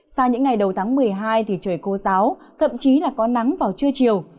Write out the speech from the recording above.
sau những ngày đầu tháng một mươi hai trời khô ráo thậm chí có nắng vào trưa chiều